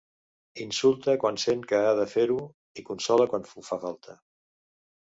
Insulta quan sent que ha de fer-ho i consola quan fa falta.